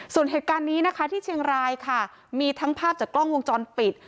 ส่วนเหตุการณ์นี้นะคะที่เชียงรายค่ะมีทั้งภาพจากกล้องวงจรปิด